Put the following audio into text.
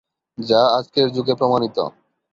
যা আজকের যুগে প্রমাণিত।